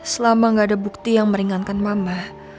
selama gak ada bukti yang meringankan mama